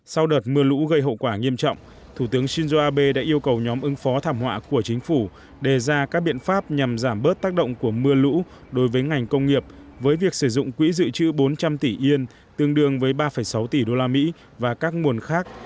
sau đợt mưa lũ gây hậu quả nghiêm trọng thủ tướng shinzo abe đã yêu cầu nhóm ứng phó thảm họa của chính phủ đề ra các biện pháp nhằm giảm bớt tác động của mưa lũ đối với ngành công nghiệp với việc sử dụng quỹ dự trữ bốn trăm linh tỷ yên tương đương với ba sáu tỷ usd và các nguồn khác